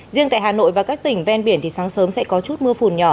riêng tại hà nội và các tỉnh ven biển thì sáng sớm sẽ có chút mưa phùn nhỏ